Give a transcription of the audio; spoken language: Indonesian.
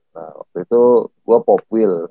nah waktu itu gue pop wheel